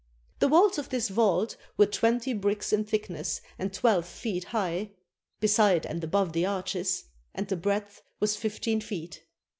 The walls of this vault were twenty bricks in thickness and twelve feet high, beside and 492 HOW SEMIRAMIS BUILT BABYLON above the arches; and the breadth was fifteen feet.